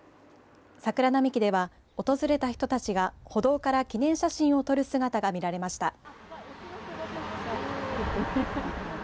桜並木では、訪れた人たちが歩道から記念写真を撮る姿が見られました。